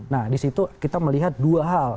nah di situ kita melihat dua hal